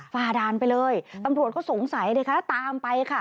ฝ่าด่านไปเลยตำรวจก็สงสัยเลยค่ะตามไปค่ะ